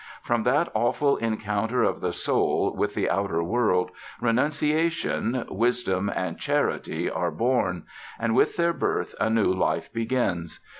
From that awful encounter of the soul with the outer world, renunciation, wisdom, and charity are born; and with their birth a new life begins.